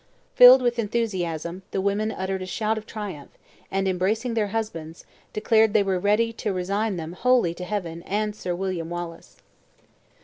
Filled with enthusiasm, the women uttered a shout of triumph, and, embracing their husbands, declared they were ready to resign them wholly to Heaven and Sir William Wallace.